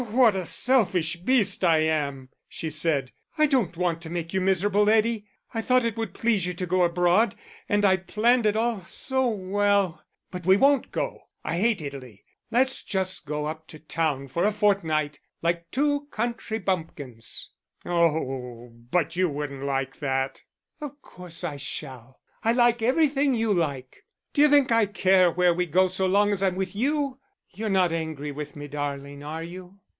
"What a selfish beast I am!" she said. "I don't want to make you miserable, Eddie. I thought it would please you to go abroad, and I'd planned it all so well.... But we won't go; I hate Italy. Let's just go up to town for a fortnight, like two country bumpkins." "Oh, but you won't like that." "Of course I shall. I like everything you like. D'you think I care where we go so long as I'm with you?... You're not angry with me, darling, are you?"